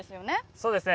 そうですね。